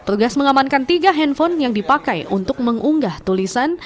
petugas mengamankan tiga handphone yang dipakai untuk mengunggah tulisan